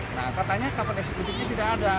nah katanya kapal eksekutifnya tidak ada